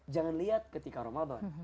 jangan lihat ketika ramadan